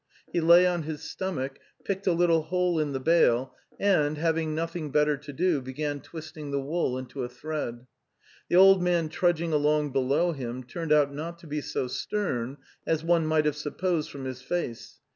He lay on his stomach, picked a little hole in the bale, and, having nothing better to do, began twisting the wool into a thread. The old man trudging along below him turned out not to be so stern as one might have supposed from his face.